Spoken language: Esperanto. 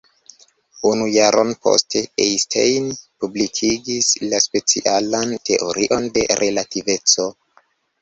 Unu jaron poste Einstein publikigis la specialan teorion de relativeco.